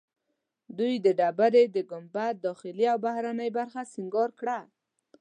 دوی د ډبرې د ګنبد داخلي او بهرنۍ برخه سنګار کړه.